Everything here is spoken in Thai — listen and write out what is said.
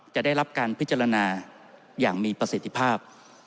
จะได้รับการพิจารณาอย่างมีประสิทธิภาพ